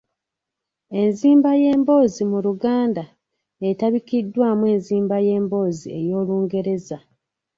Enzimba y’emboozi mu Luganda etabikiddwamu enzimba y’emboozi ey’Olungereza